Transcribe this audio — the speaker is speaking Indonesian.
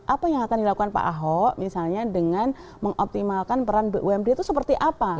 apa yang akan dilakukan pak ahok misalnya dengan mengoptimalkan peran bumd itu seperti apa